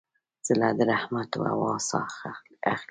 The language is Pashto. زړه د رحمت هوا ساه اخلي.